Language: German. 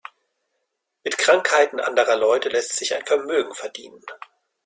Mit Krankheiten anderer Leute lässt sich ein Vermögen verdienen.